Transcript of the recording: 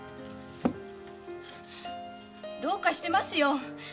どうかしてますよ！